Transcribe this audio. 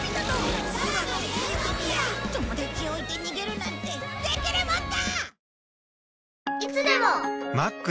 友達を置いて逃げるなんてできるもんか！